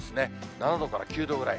７度から９度くらい。